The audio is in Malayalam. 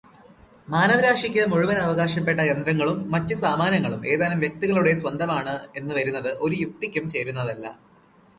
മാനവരാശിക്ക് മുഴുവൻ അവകാശപ്പെട്ട യന്ത്രങ്ങളും മറ്റ് സാമാനങ്ങളും ഏതാനും വ്യക്തികളുടെ സ്വന്തമാണ് എന്നുവരുന്നത് ഒരു യുക്തിക്കും ചേരുന്നതല്ല.